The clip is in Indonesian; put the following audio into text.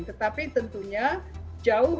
tetapi tentunya jauh